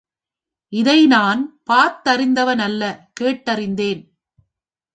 இதை நான் பார்த்தறிந்தவனல்ல, கேட்டறிந்தேன்.